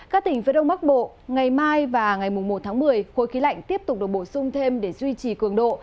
các tỉnh phía đông bắc bộ ngày mai và ngày một tháng một mươi khối khí lạnh tiếp tục được bổ sung thêm để duy trì cường độ